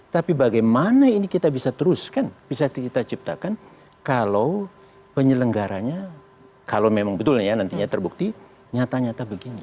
tapi bagaimana ini kita bisa teruskan bisa kita ciptakan kalau penyelenggaranya kalau memang betul ya nantinya terbukti nyata nyata begini